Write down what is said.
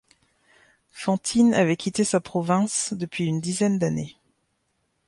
Fantine avait quitté sa province depuis une dizaine d’années.